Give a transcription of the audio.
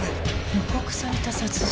予告された殺人。